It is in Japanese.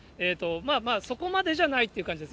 まあまあ、そこまでじゃないっていう感じです。